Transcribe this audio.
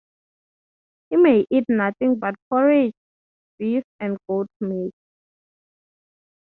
He may eat nothing but porridge, beef, and goat meat.